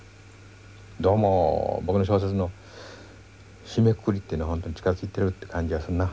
どうも僕の小説の締めくくりってのは本当に近づいてるって感じがするな。